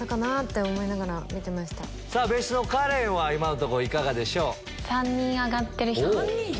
別室のカレンは今んとこいかがでしょう？